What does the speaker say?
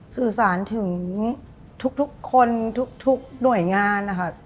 สื่อสารถึงทุกคนทุกหน่วยงานนะครับ